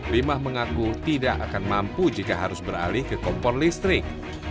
lima mengaku tidak akan mampu jika harus beralih ke kompor listrik